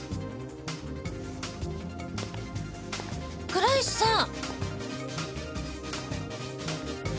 倉石さん。